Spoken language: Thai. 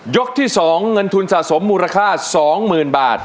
ที่๒เงินทุนสะสมมูลค่า๒๐๐๐บาท